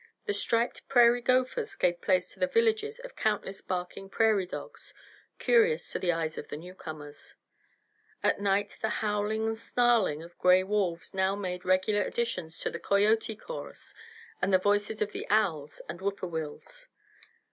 The striped prairie gophers gave place to the villages of countless barking prairie dogs, curious to the eyes of the newcomers. At night the howling and snarling of gray wolves now made regular additions to the coyote chorus and the voices of the owls and whippoorwills.